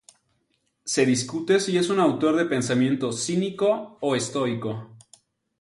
Se discute si es un autor de pensamiento cínico o estoico.